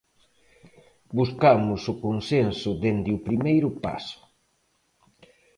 Buscamos o consenso dende o primeiro paso.